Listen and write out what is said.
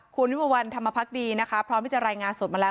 คุณวิมวลวันธรรมพักดีนะคะพร้อมที่จะรายงานสดมาแล้ว